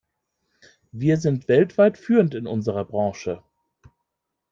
Wir sind weltweit führend in unserer Branche.